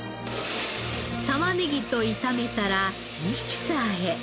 タマネギと炒めたらミキサーへ。